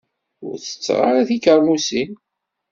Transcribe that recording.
Ur tetteɣ ara tikermusin.